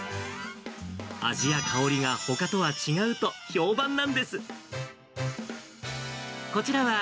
味や香りがほかとは違うと評判なんです。